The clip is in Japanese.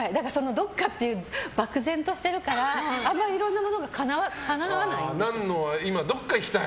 どっかっていう漠然としてるからあまりいろんなものがナンノは今どっか行きたい。